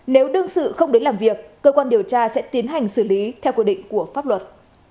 nếu đương sự không đến làm việc cơ quan điều tra sẽ tiến hành xử lý theo quy định của pháp luật